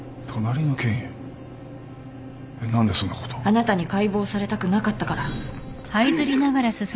あなたに解剖されたくなかったから。